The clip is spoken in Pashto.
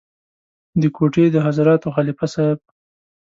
د کوټې د حضرتانو خلیفه صاحب.